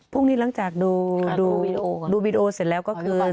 พรุ่งนี้หลังจากดูวีดีโอเสร็จแล้วก็คือ